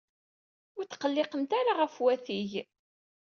Ur tqelliqemt ara ɣef watig!